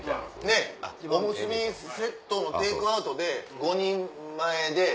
ねっおむすびせっとのテイクアウトで５人前で。